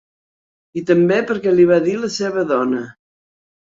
I també perquè l'hi va dir la seva dona.